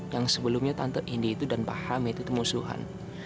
yang sebelumnya tante indi itu dan pak hamid itu temusuhan